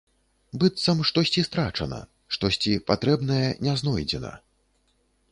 Быццам штосьці страчана, штосьці патрэбнае не знойдзена.